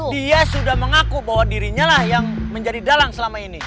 dia sudah mengaku bahwa dirinya lah yang menjadi dalang selama ini